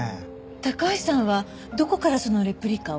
高橋さんはどこからそのレプリカを？